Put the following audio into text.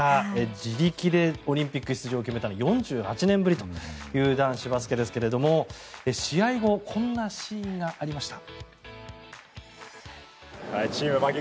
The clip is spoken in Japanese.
自力でオリンピック出場を決めたのは４８年ぶりという男子バスケですが試合後こんなシーンがありました。